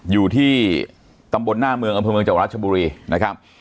อยู่ที่ตำบลหน้าเมืองอันพลเมืองเจาะรัชบุรีนะครับ